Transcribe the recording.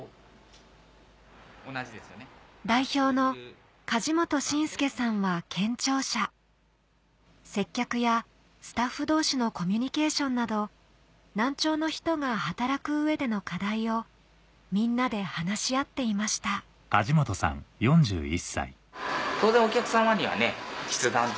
代表の梶本真佑さんは健聴者接客やスタッフ同士のコミュニケーションなど難聴の人が働く上での課題をみんなで話し合っていました当然。